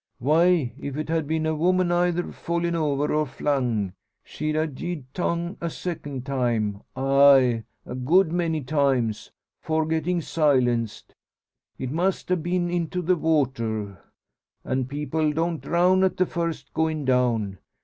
"Why, if it had been a woman eyther fallin' over or flung, she'd a gied tongue a second time aye, a good many times 'fore getting silenced. It must a been into the water; an' people don't drown at the first goin' down.